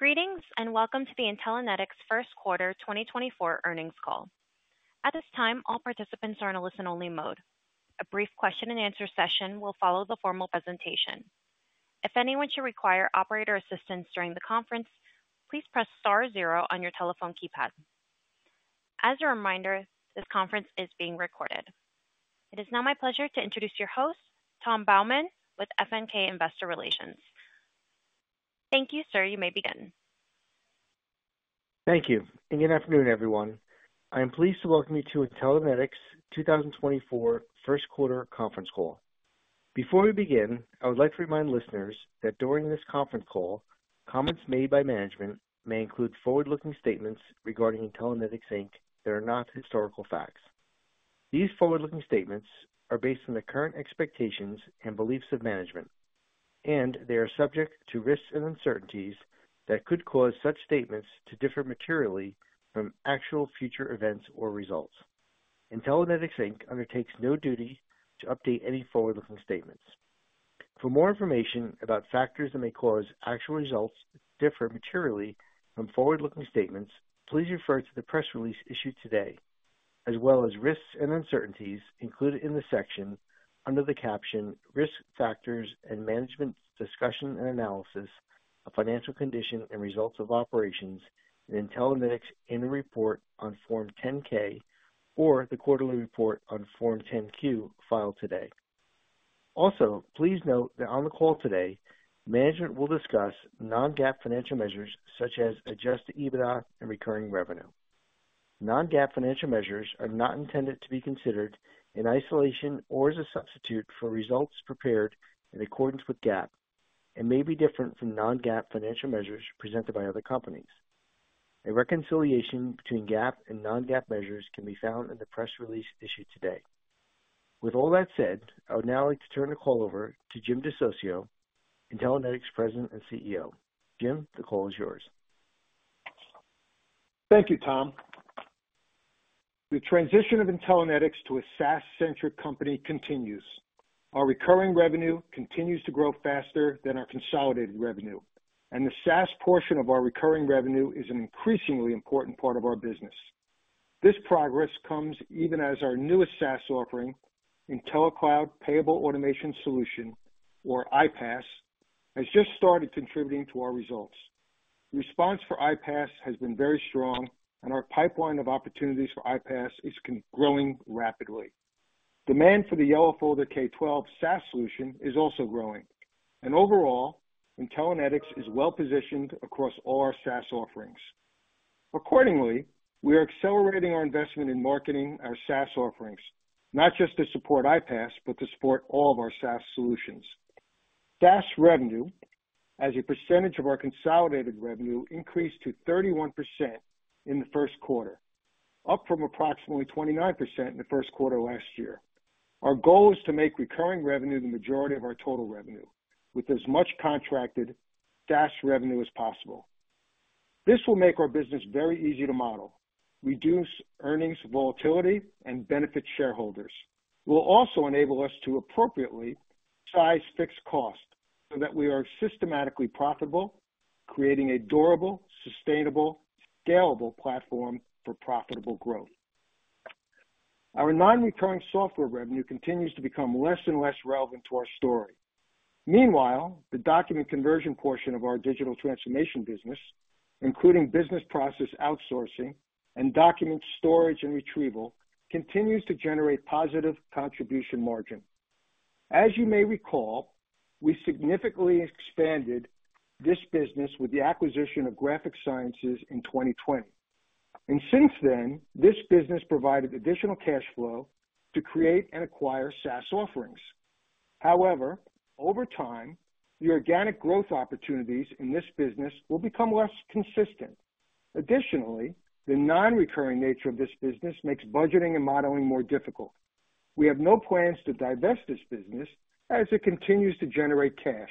Greetings and welcome to the Intellinetics first quarter 2024 earnings call. At this time, all participants are in a listen-only mode. A brief question-and-answer session will follow the formal presentation. If anyone should require operator assistance during the conference, please press star zero on your telephone keypad. As a reminder, this conference is being recorded. It is now my pleasure to introduce your host, Tom Baumann, with FNK Investor Relations. Thank you, sir. You may begin. Thank you. Good afternoon, everyone. I am pleased to welcome you to Intellinetics' 2024 first quarter conference call. Before we begin, I would like to remind listeners that during this conference call, comments made by management may include forward-looking statements regarding Intellinetics, Inc. that are not historical facts. These forward-looking statements are based on the current expectations and beliefs of management, and they are subject to risks and uncertainties that could cause such statements to differ materially from actual future events or results. Intellinetics, Inc. undertakes no duty to update any forward-looking statements. For more information about factors that may cause actual results to differ materially from forward-looking statements, please refer to the press release issued today, as well as risks and uncertainties included in the section under the caption "Risk Factors and Management Discussion and Analysis of Financial Condition and Results of Operations in Intellinetics in a Report on Form 10-K or the Quarterly Report on Form 10-Q filed today." Also, please note that on the call today, management will discuss non-GAAP financial measures such as adjusted EBITDA and recurring revenue. Non-GAAP financial measures are not intended to be considered in isolation or as a substitute for results prepared in accordance with GAAP and may be different from non-GAAP financial measures presented by other companies. A reconciliation between GAAP and non-GAAP measures can be found in the press release issued today. With all that said, I would now like to turn the call over to Jim DeSocio, Intellinetics' President and CEO. Jim, the call is yours. Thank you, Tom. The transition of Intellinetics to a SaaS-centric company continues. Our recurring revenue continues to grow faster than our consolidated revenue, and the SaaS portion of our recurring revenue is an increasingly important part of our business. This progress comes even as our newest SaaS offering, IntelliCloud Payable Automation Solution or iPaaS, has just started contributing to our results. Response for iPaaS has been very strong, and our pipeline of opportunities for iPaaS is growing rapidly. Demand for the YellowFolder K12 SaaS solution is also growing, and overall, Intellinetics is well-positioned across all our SaaS offerings. Accordingly, we are accelerating our investment in marketing our SaaS offerings, not just to support iPaaS but to support all of our SaaS solutions. SaaS revenue, as a percentage of our consolidated revenue, increased to 31% in the first quarter, up from approximately 29% in the first quarter last year. Our goal is to make recurring revenue the majority of our total revenue, with as much contracted SaaS revenue as possible. This will make our business very easy to model, reduce earnings volatility, and benefit shareholders. It will also enable us to appropriately size fixed costs so that we are systematically profitable, creating a durable, sustainable, scalable platform for profitable growth. Our non-recurring software revenue continues to become less and less relevant to our story. Meanwhile, the document conversion portion of our digital transformation business, including business process outsourcing and document storage and retrieval, continues to generate positive contribution margin. As you may recall, we significantly expanded this business with the acquisition of Graphic Sciences in 2020. Since then, this business provided additional cash flow to create and acquire SaaS offerings. However, over time, the organic growth opportunities in this business will become less consistent. Additionally, the non-recurring nature of this business makes budgeting and modeling more difficult. We have no plans to divest this business as it continues to generate cash.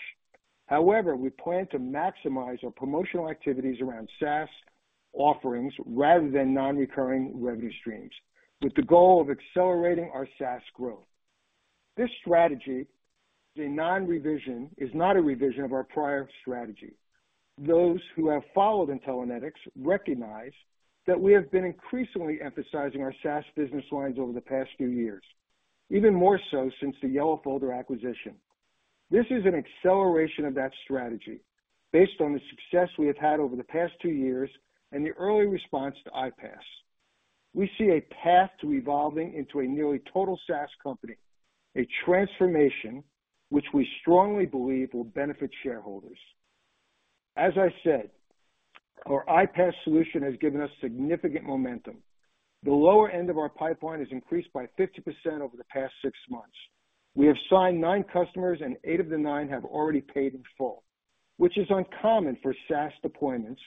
However, we plan to maximize our promotional activities around SaaS offerings rather than non-recurring revenue streams, with the goal of accelerating our SaaS growth. This strategy is not a revision of our prior strategy. Those who have followed Intellinetics recognize that we have been increasingly emphasizing our SaaS business lines over the past few years, even more so since the YellowFolder acquisition. This is an acceleration of that strategy based on the success we have had over the past two years and the early response to iPaaS. We see a path to evolving into a nearly total SaaS company, a transformation which we strongly believe will benefit shareholders. As I said, our iPaaS solution has given us significant momentum. The lower end of our pipeline has increased by 50% over the past six months. We have signed nine customers, and eight of the nine have already paid in full, which is uncommon for SaaS deployments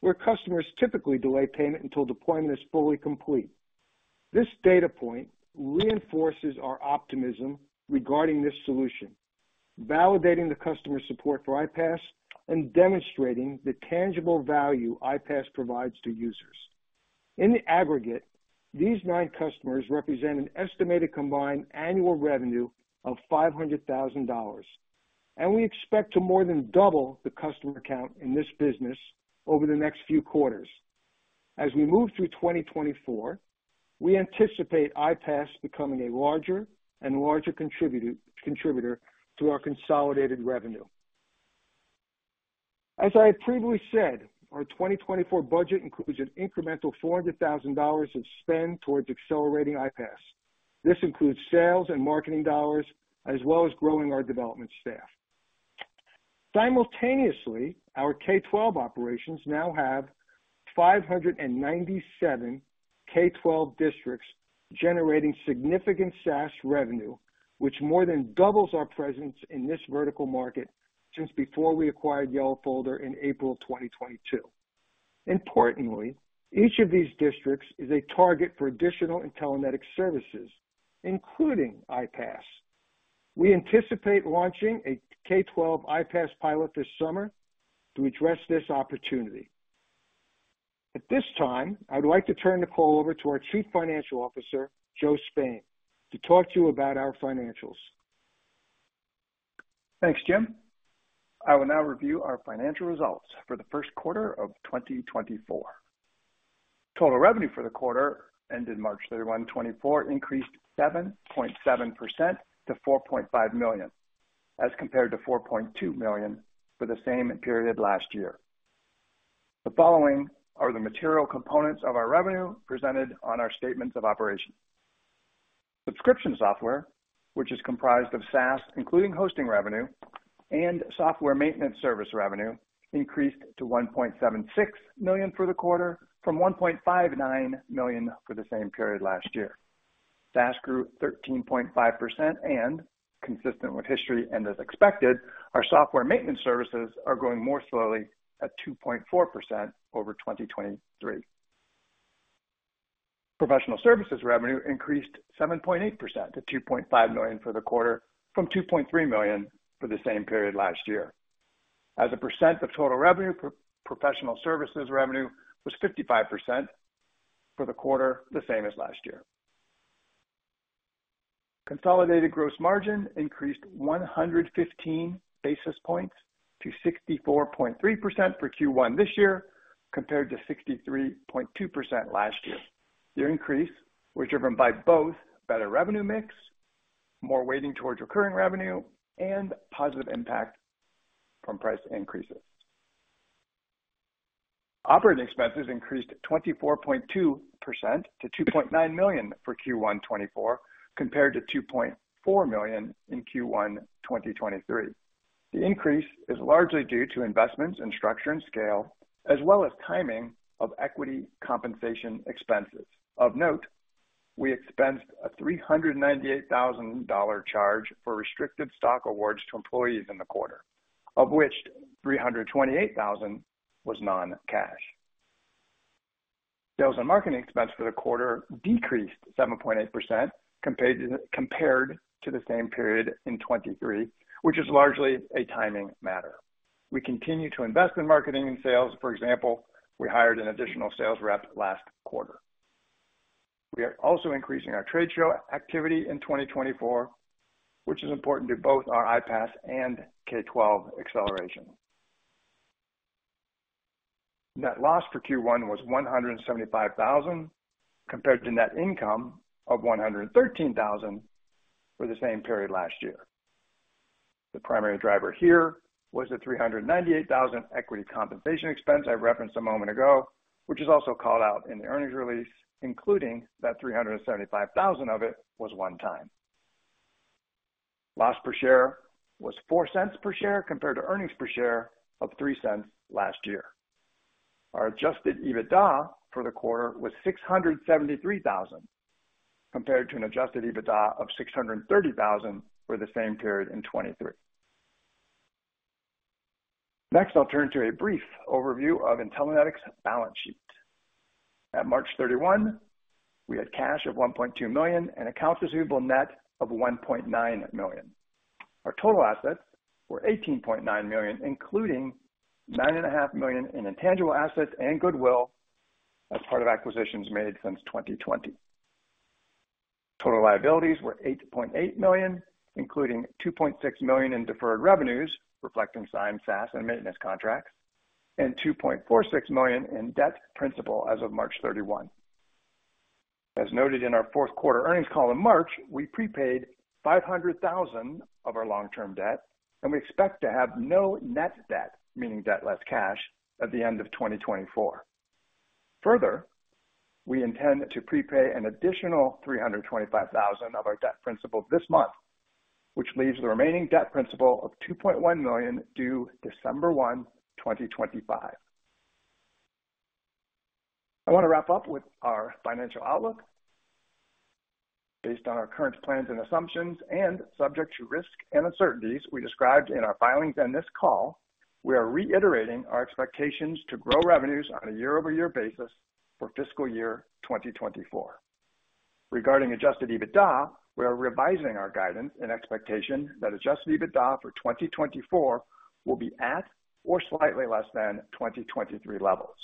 where customers typically delay payment until deployment is fully complete. This data point reinforces our optimism regarding this solution, validating the customer support for iPaaS and demonstrating the tangible value iPaaS provides to users. In the aggregate, these nine customers represent an estimated combined annual revenue of $500,000, and we expect to more than double the customer count in this business over the next few quarters. As we move through 2024, we anticipate iPaaS becoming a larger and larger contributor to our consolidated revenue. As I had previously said, our 2024 budget includes an incremental $400,000 of spend towards accelerating iPaaS. This includes sales and marketing dollars as well as growing our development staff. Simultaneously, our K12 operations now have 597 K12 districts generating significant SaaS revenue, which more than doubles our presence in this vertical market since before we acquired YellowFolder in April 2022. Importantly, each of these districts is a target for additional Intellinetics services, including iPaaS. We anticipate launching a K12 iPaaS pilot this summer to address this opportunity. At this time, I would like to turn the call over to our Chief Financial Officer, Joe Spain, to talk to you about our financials. Thanks, Jim. I will now review our financial results for the first quarter of 2024. Total revenue for the quarter ended March 31, 2024 increased 7.7% to $4.5 million as compared to $4.2 million for the same period last year. The following are the material components of our revenue presented on our statements of operations. Subscription software, which is comprised of SaaS, including hosting revenue, and software maintenance service revenue, increased to $1.76 million for the quarter from $1.59 million for the same period last year. SaaS grew 13.5% and, consistent with history and as expected, our software maintenance services are growing more slowly at 2.4% over 2023. Professional services revenue increased 7.8% to $2.5 million for the quarter from $2.3 million for the same period last year. As a percent of total revenue, professional services revenue was 55% for the quarter, the same as last year. Consolidated gross margin increased 115 basis points to 64.3% for Q1 this year compared to 63.2% last year. The increase was driven by both better revenue mix, more weighting towards recurring revenue, and positive impact from price increases. Operating expenses increased 24.2% to $2.9 million for Q1 2024 compared to $2.4 million in Q1 2023. The increase is largely due to investments in structure and scale as well as timing of equity compensation expenses. Of note, we expensed a $398,000 charge for restricted stock awards to employees in the quarter, of which $328,000 was non-cash. Sales and marketing expense for the quarter decreased 7.8% compared to the same period in 2023, which is largely a timing matter. We continue to invest in marketing and sales. For example, we hired an additional sales rep last quarter. We are also increasing our trade show activity in 2024, which is important to both our iPaaS and K12 acceleration. Net loss for Q1 was $175,000 compared to net income of $113,000 for the same period last year. The primary driver here was the $398,000 equity compensation expense I referenced a moment ago, which is also called out in the earnings release, including that $375,000 of it was one time. Loss per share was $0.04 per share compared to earnings per share of $0.03 last year. Our adjusted EBITDA for the quarter was $673,000 compared to an adjusted EBITDA of $630,000 for the same period in 2023. Next, I'll turn to a brief overview of Intellinetics' balance sheet. At March 31, we had cash of $1.2 million and accounts receivable net of $1.9 million. Our total assets were $18.9 million, including $9.5 million in intangible assets and goodwill as part of acquisitions made since 2020. Total liabilities were $8.8 million, including $2.6 million in deferred revenues reflecting signed SaaS and maintenance contracts and $2.46 million in debt principal as of March 31, as noted in our fourth quarter earnings call in March. We prepaid $500,000 of our long-term debt, and we expect to have no net debt, meaning debt less cash, at the end of 2024. Further, we intend to prepay an additional $325,000 of our debt principal this month, which leaves the remaining debt principal of $2.1 million due December 1, 2025. I want to wrap up with our financial outlook. Based on our current plans and assumptions and subject to risk and uncertainties we described in our filings and this call, we are reiterating our expectations to grow revenues on a year-over-year basis for fiscal year 2024. Regarding Adjusted EBITDA, we are revising our guidance in expectation that Adjusted EBITDA for 2024 will be at or slightly less than 2023 levels.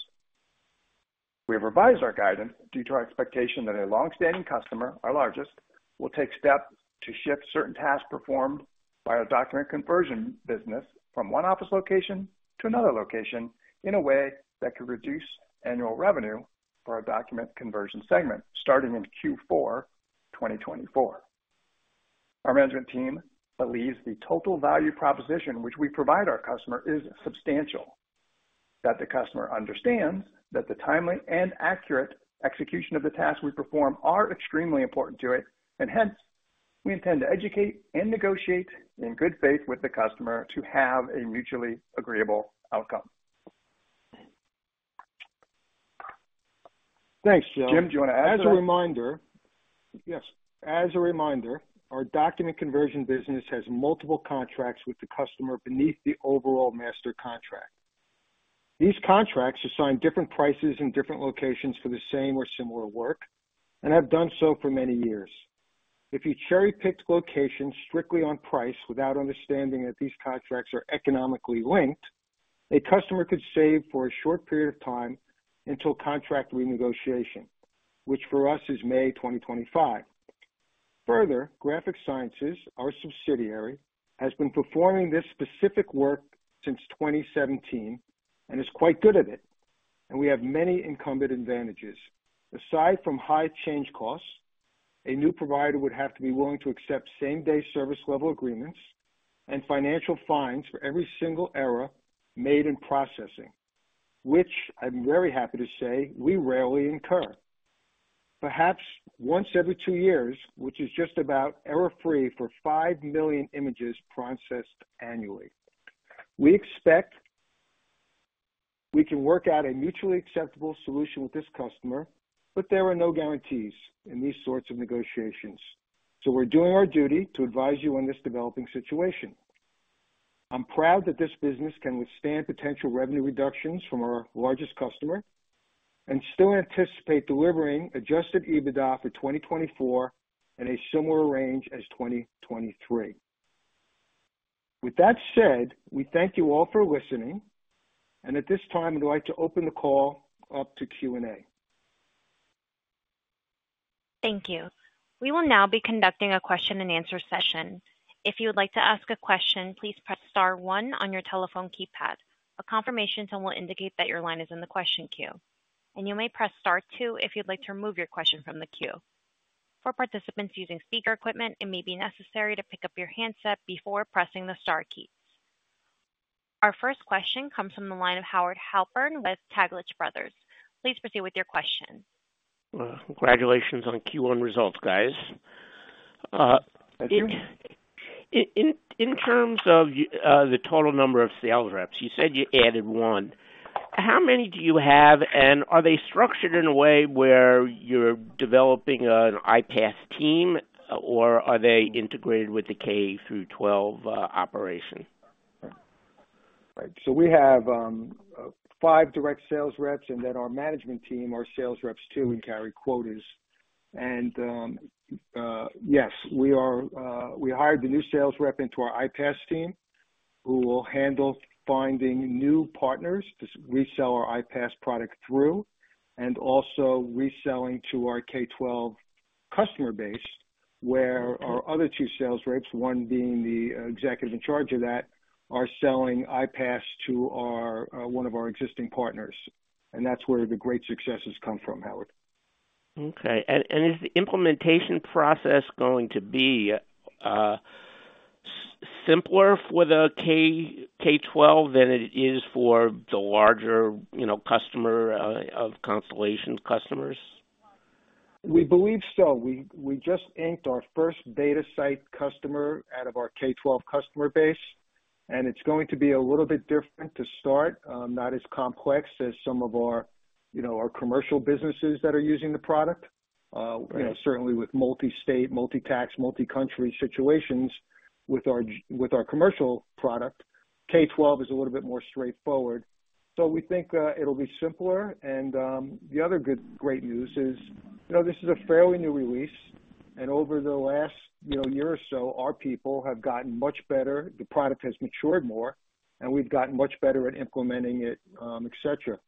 We have revised our guidance due to our expectation that a longstanding customer, our largest, will take steps to shift certain tasks performed by our Document Conversion business from one office location to another location in a way that could reduce annual revenue for our Document Conversion segment starting in Q4 2024. Our management team believes the total value proposition which we provide our customer is substantial, that the customer understands that the timely and accurate execution of the tasks we perform are extremely important to it, and hence, we intend to educate and negotiate in good faith with the customer to have a mutually agreeable outcome. Thanks, Jim. Do you want to add something? As a reminder, our document conversion business has multiple contracts with the customer beneath the overall master contract. These contracts assign different prices in different locations for the same or similar work and have done so for many years. If you cherry-picked locations strictly on price without understanding that these contracts are economically linked, a customer could save for a short period of time until contract renegotiation, which for us is May 2025. Further, Graphic Sciences, our subsidiary, has been performing this specific work since 2017 and is quite good at it, and we have many incumbent advantages. Aside from high change costs, a new provider would have to be willing to accept same-day service level agreements and financial fines for every single error made in processing, which, I'm very happy to say, we rarely incur. Perhaps once every two years, which is just about error-free for five million images processed annually. We expect we can work out a mutually acceptable solution with this customer, but there are no guarantees in these sorts of negotiations. So we're doing our duty to advise you on this developing situation. I'm proud that this business can withstand potential revenue reductions from our largest customer and still anticipate delivering Adjusted EBITDA for 2024 in a similar range as 2023. With that said, we thank you all for listening, and at this time, I'd like to open the call up to Q&A. Thank you. We will now be conducting a question-and-answer session. If you would like to ask a question, please press star one on your telephone keypad. A confirmation tone will indicate that your line is in the question queue, and you may press star two if you'd like to remove your question from the queue. For participants using speaker equipment, it may be necessary to pick up your handset before pressing the star key. Our first question comes from the line of Howard Halpern with Taglich Brothers. Please proceed with your question. Well, congratulations on Q1 results, guys. In terms of the total number of sales reps, you said you added one. How many do you have, and are they structured in a way where you're developing an iPaaS team, or are they integrated with the K through 12 operation? Right. So we have five direct sales reps, and then our management team are sales reps too and carry quotas. And yes, we hired the new sales rep into our iPaaS team who will handle finding new partners to resell our iPaaS product through and also reselling to our K12 customer base where our other two sales reps, one being the executive in charge of that, are selling iPaaS to one of our existing partners. And that's where the great successes come from, Howard. Okay. Is the implementation process going to be simpler for the K12 than it is for the larger customer of Constellation's customers? We believe so. We just inked our first data site customer out of our K12 customer base, and it's going to be a little bit different to start, not as complex as some of our commercial businesses that are using the product. Certainly, with multi-state, multi-tax, multi-country situations with our commercial product, K12 is a little bit more straightforward. We think it'll be simpler. The other great news is this is a fairly new release, and over the last year or so, our people have gotten much better. The product has matured more, and we've gotten much better at implementing it, etc.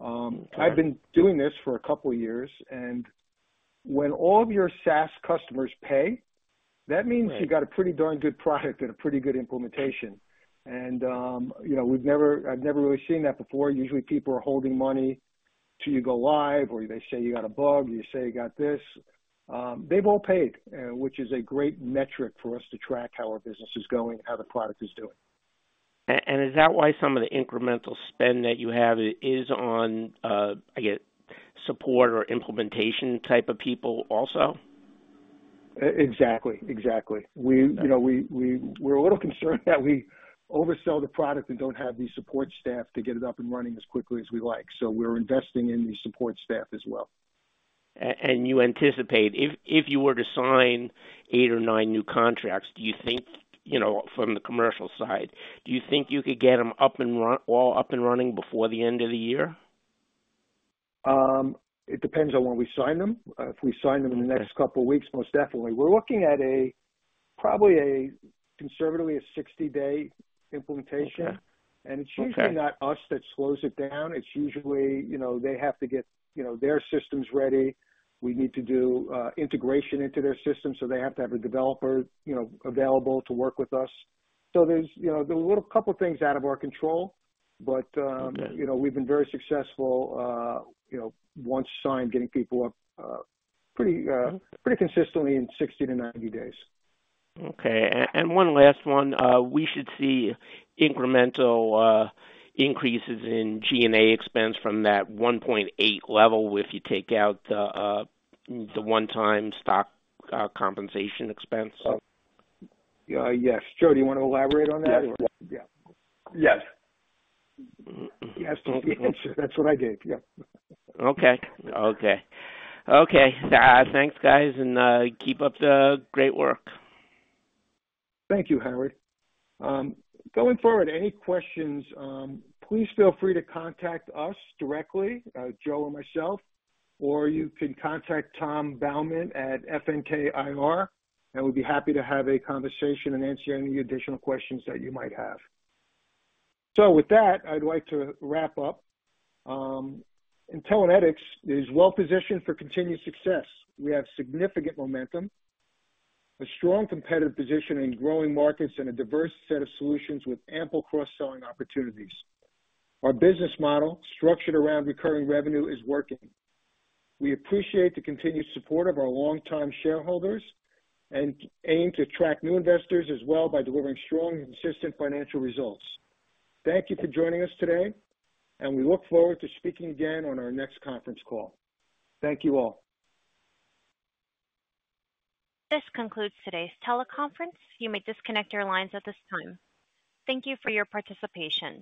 I've been doing this for a couple of years, and when all of your SaaS customers pay, that means you've got a pretty darn good product and a pretty good implementation. I've never really seen that before. Usually, people are holding money till you go live, or they say you got a bug, or you say you got this. They've all paid, which is a great metric for us to track how our business is going and how the product is doing. Is that why some of the incremental spend that you have is on, I guess, support or implementation type of people also? Exactly. Exactly. We're a little concerned that we oversell the product and don't have the support staff to get it up and running as quickly as we like. So we're investing in the support staff as well. You anticipate if you were to sign eight or nine new contracts, do you think from the commercial side, do you think you could get them all up and running before the end of the year? It depends on when we sign them. If we sign them in the next couple of weeks, most definitely. We're looking at probably conservatively a 60 day implementation, and it's usually not us that slows it down. It's usually they have to get their systems ready. We need to do integration into their system, so they have to have a developer available to work with us. So there's a couple of things out of our control, but we've been very successful once signed, getting people up pretty consistently in 60-90 days. Okay. And one last one. We should see incremental increases in G&A expense from that 1.8 level if you take out the one-time stock compensation expense. Yes. Joe, do you want to elaborate on that, or? Yes. Yeah. Yes. He asked to answer. That's what I did. Yeah. Okay. Okay. Okay. Thanks, guys, and keep up the great work. Thank you, Howard. Going forward, any questions, please feel free to contact us directly, Joe and myself, or you can contact Tom Baumann at FNK IR, and we'd be happy to have a conversation and answer any additional questions that you might have. So with that, I'd like to wrap up. Intellinetics is well-positioned for continued success. We have significant momentum, a strong competitive position in growing markets, and a diverse set of solutions with ample cross-selling opportunities. Our business model, structured around recurring revenue, is working. We appreciate the continued support of our long-time shareholders and aim to attract new investors as well by delivering strong, consistent financial results. Thank you for joining us today, and we look forward to speaking again on our next conference call. Thank you all. This concludes today's teleconference. You may disconnect your lines at this time. Thank you for your participation.